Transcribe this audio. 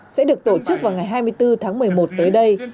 sẽ được tổ chức vào ngày hai mươi bốn tháng một mươi một tới đây